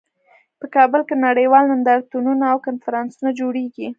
په کابل کې نړیوال نندارتونونه او کنفرانسونه جوړیږي